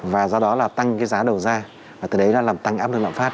và do đó là tăng cái giá đầu ra và từ đấy nó làm tăng áp lượng lãm pháp